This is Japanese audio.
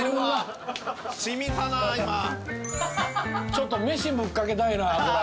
ちょっと飯ぶっ掛けたいなこれ。